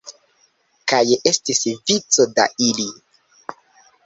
Kaj estis vico da ili.